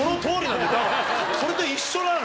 それと一緒なの。